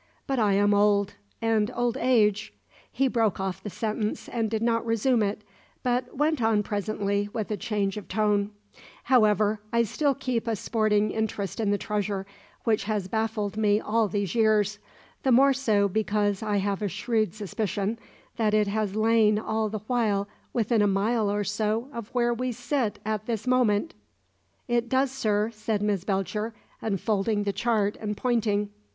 But I am old; and old age " He broke off the sentence and did not resume it, but went on presently, with a change of tone: "However, I still keep a sporting interest in the treasure, which has baffled me all these years, the more so because I have a shrewd suspicion that it has lain all the while within a mile or so of where we sit at this moment." "It does, sir," said Miss Belcher, unfolding the chart and pointing.